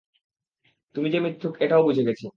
তুমি যে মিথ্যুক, এটাও বুঝে গেছি।